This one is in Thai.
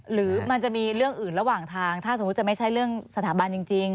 หรือมันจะมีเรื่องอื่นระหว่างทางถ้าสมมุติจะไม่ใช่เรื่องสถาบันจริง